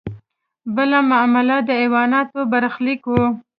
بله معامله د حیواناتو برخلیک و.